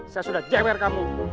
saya sudah jeber kamu